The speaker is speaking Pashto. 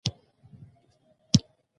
خاوره د افغان تاریخ په کتابونو کې ذکر شوی دي.